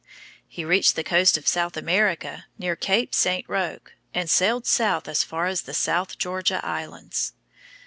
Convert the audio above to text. He reached the coast of South America near Cape St. Roque, and sailed south as far as the South Georgia Islands.